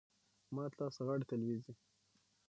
مات لاس غاړي ته لویږي .